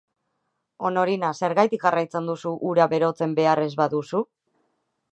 Honorina, zergatik jarraitzen duzu ura berotzen behar ez baduzu?